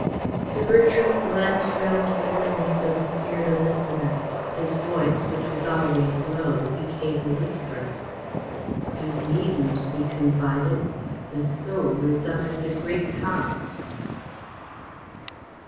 Sir Bertram glanced round the room as though he feared a listener. His voice, which was always low, became a whisper. "You needn't," he confided. "The Soul is up at the Great House."